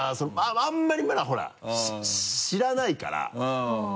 あんまりまだほら知らないから。